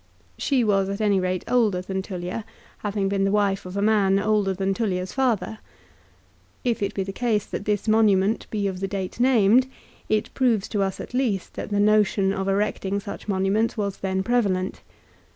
She was at any rate older than Tullia, having been the wife of a man older than Tullia's father. If it be the case that this monument be of the date named, it proves to us, at least, that the notion of erecting such monuments was then prevalent.